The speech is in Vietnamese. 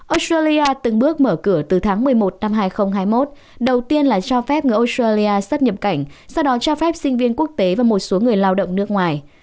australia từng bước mở cửa từ tháng một mươi một năm hai nghìn hai mươi một đầu tiên là cho phép người australia xuất nhập cảnh sau đó cho phép sinh viên quốc tế và một số người lao động nước ngoài